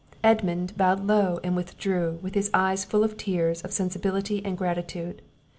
Edmund bowed low, and withdrew, with his eyes full of tears of sensibility and gratitude.